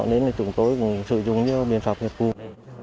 nên là chúng tôi cũng sử dụng biện pháp hiệp cung